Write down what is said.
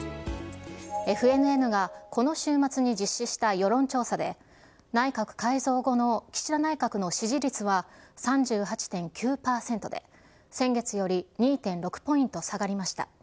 ＦＮＮがこの週末に実施した世論調査で、内閣改造後の岸田内閣の支持率は３８．９％で、先月より２．６ポイント下がりました。